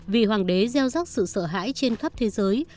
vì hoàng đế gieo rắc sự sợ hãi trên khắp thế giới